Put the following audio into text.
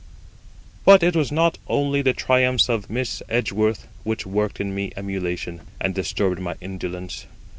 But it was not only the triumphs of Miss Edgeworth which worked in me emulation, and disturbed my indolence.